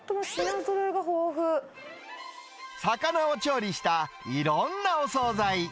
魚を調理したいろんなお総菜。